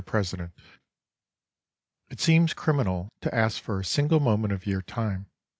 President: It seems criminal to ask for a single moment of your time.